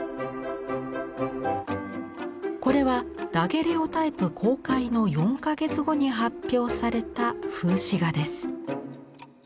これはダゲレオタイプ公開の４か月後に発表された風刺画です。